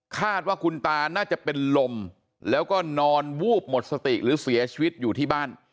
คาดว่าคุณตาน่าจะเป็นลมแล้วก็นอนวูบหมดสติหรือเสียชีวิตอยู่ที่บ้าน